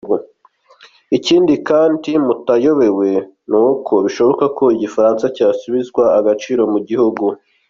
Ikindi kandi mutayobewe ni uko bishoboka ko igifaransa cyasubizwa agaciro mu gihugu.